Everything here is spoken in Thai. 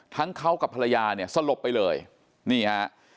ทั้งเขากับภรรยาเนี่ยสลบไปเลยนี่ฮะ